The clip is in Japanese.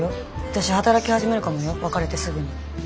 私働き始めるかもよ別れてすぐに。